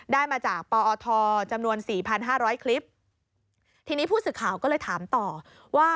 ได้มาจากปอทจำนวน๔๕๐๐คลิปทีนี้ผู้ศึกข่าวก็เลยถามต่อว่า